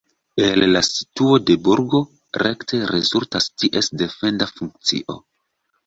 El la situo de burgo rekte rezultas ties defenda funkcio.